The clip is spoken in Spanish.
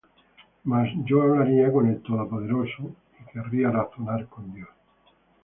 Mas yo hablaría con el Todopoderoso, Y querría razonar con Dios.